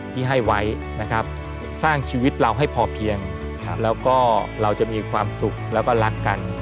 ที่ให้ไว้นะครับสร้างชีวิตเราให้พอเพียงแล้วก็เราจะมีความสุขแล้วก็รักกัน